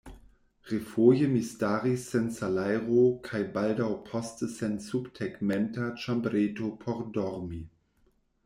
Refoje mi staris sen salajro, kaj baldaŭ poste sen subtegmenta ĉambreto por dormi.